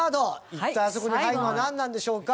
一体あそこに入るのはなんなんでしょうか？